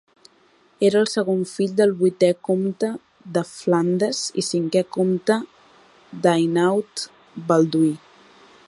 Era el segon fill del vuitè comte de Flandes i cinquè comte d'Hainaut, Balduí.